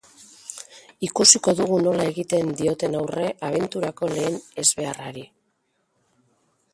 Ikusiko dugu nola egiten dioten aurre abenturako lehen ezbeharrari.